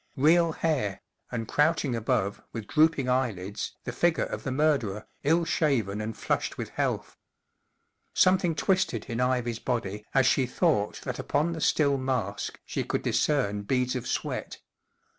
Real hair, and crouching above, with drooping eyelids, the figure of the murderer, ill shaven ancj flushed with health. Something twisted in Ivy's body as she thought that upon the still mask she could discern beads of sweat.